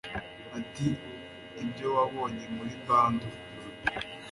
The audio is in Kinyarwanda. ati ibyo wabonye muri bundle